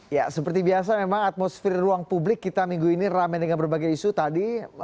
ya seperti biasa memang atmosfer ruang publik kita minggu ini ramai dengan berbagai isu tadi